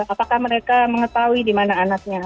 apakah mereka mengetahui di mana anaknya